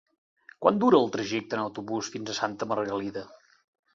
Quant dura el trajecte en autobús fins a Santa Margalida?